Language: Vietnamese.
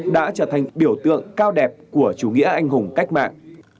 đã trở thành biểu tượng cao đẹp của chủ nghĩa anh hùng cách mạng